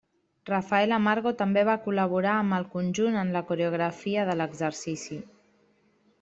Rafael Amargo també va col·laborar amb el conjunt en la coreografia de l'exercici.